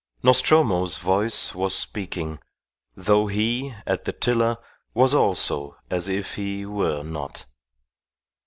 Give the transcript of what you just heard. Nostromo's voice was speaking, though he, at the tiller, was also as if he were not.